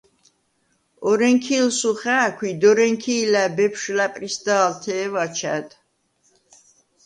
ორენქი̄ლსუ ხა̄̈ქვ ი დორენქი̄ლა̈ ბეფშვ ლა̈პრისდა̄ლთე̄ვ აჩა̈დ.